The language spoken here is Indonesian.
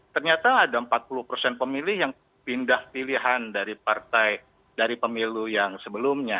ternyata ada empat puluh persen pemilih yang pindah pilihan dari partai dari pemilu yang sebelumnya